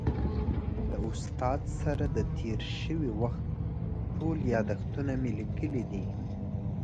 له استاد سره د تېر شوي وخت ټول یادښتونه مې لیکلي دي.